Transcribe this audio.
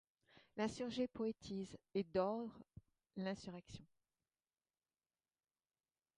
L'insurgé poétise et dore l'insurrection.